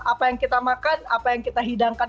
apa yang kita makan apa yang kita hidangkan